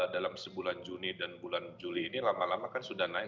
dalam sebulan juni dan bulan juli ini lama lama kan sudah naik